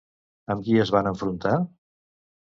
Amb qui es van enfrontar?